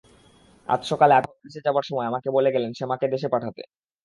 আজ সকালে আপিসে যাবার সময় আমাকে বলে গেলেন শ্যামাকে দেশে পাঠাতে।